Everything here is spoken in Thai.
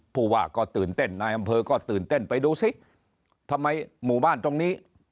ผู้ว่าก็ตื่นเต้นนายอำเภอก็ตื่นเต้นไปดูสิทำไมหมู่บ้านตรงนี้